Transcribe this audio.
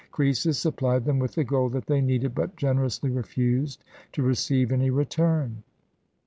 Croesus supplied them with the gold that they needed, but gen erously refused to receive any return.